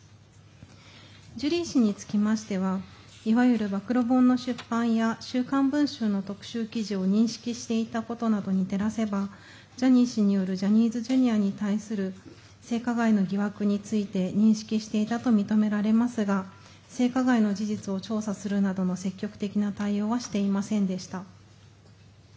ジュリー氏につきましてはいわゆる暴露本の出版や「週刊文春」の特集記事を認識していたことなどに照らせば、ジャニー氏によるジャニーズＪｒ．に対する性加害の疑惑について認識していたと認められますが性加害の事実を調査するなどの積極的な対応はしていませんでした。